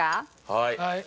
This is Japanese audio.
はい。